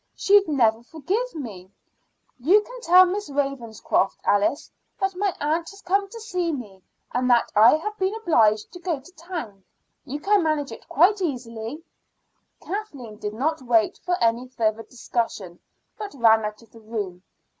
She'd never forgive me. You can tell Miss Ravenscroft, Alice, that my aunt has come to see me, and that I have been obliged to go to town. You can manage it quite easily." Kathleen did not wait for any further discussion, but ran out of the room.